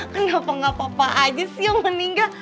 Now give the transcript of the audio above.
kenapa gak papa aja sih yang meninggal